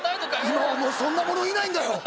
今はもうそんなものいないんだよ！